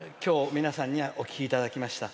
今日、皆さんにお聴きいただきました。